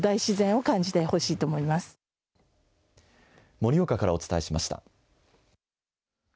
盛岡からお伝えしました。